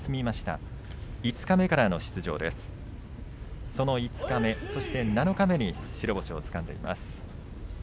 その五日目、そして七日目に白星をつかんでいます。